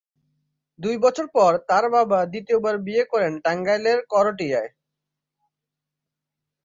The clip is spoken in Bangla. দুই বছর পর তাঁর বাবা দ্বিতীয়বার বিয়ে করেন টাঙ্গাইলের করটিয়ায়।